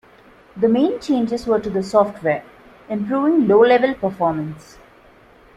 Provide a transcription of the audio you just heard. The main changes were to the software, improving low-level performance.